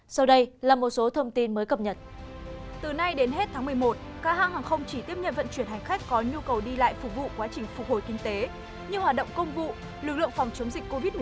sau đây là một số thông tin mới cập nhật